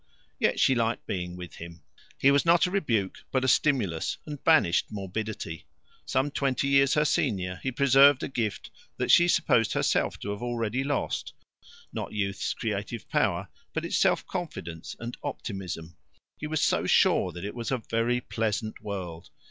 Yet she liked being with him. He was not a rebuke, but a stimulus, and banished morbidity. Some twenty years her senior, he preserved a gift that she supposed herself to have already lost not youth's creative power, but its self confidence and optimism. He was so sure that it was a very pleasant world.